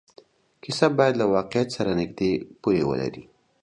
کیسه باید له واقعیت سره نږدې پولې ولري.